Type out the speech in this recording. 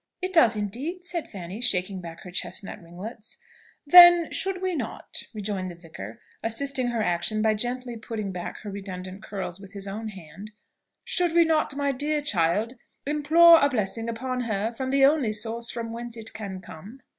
"It does indeed!" said Fanny, shaking back her chesnut ringlets. "Then should we not," rejoined the vicar, assisting her action by gently putting back her redundant curls with his own hand, "should we not, my dear child, implore a blessing upon her from the only source from whence it can come!"